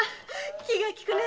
気が利くねえ。